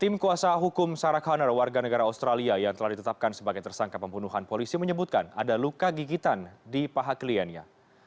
tim kuasa hukum sarah conner warga negara australia yang telah ditetapkan sebagai tersangka pembunuhan polisi menyebutkan ada luka gigitan di paha kliennya